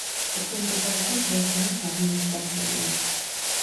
ექვემდებარება დრეზდენის ადმინისტრაციულ ოლქს.